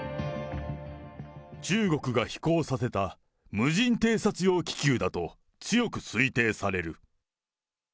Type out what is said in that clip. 中国が飛行させた無人偵察用気球だと強く推定される。